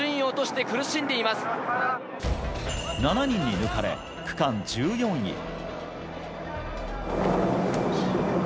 ７人に抜かれ、区間１４位。